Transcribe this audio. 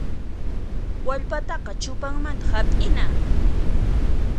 Wallpataqa chupanmanta hap'ina.